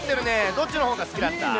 どっちのほうが好きだった？